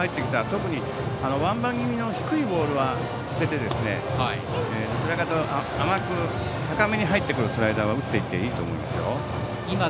特に、ワンバン気味の低いボールは捨てて甘く高めに入ってくるスライダーは打っていっていいと思いますよ。